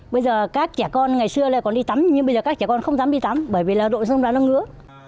bây giờ các trẻ con ngày xưa lại còn đi tắm nhưng bây giờ các trẻ con không dám đi tắm bởi vì là độ sông ra nó ngứa